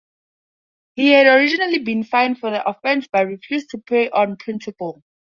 He had originally been fined for the offence but refused to pay on principle.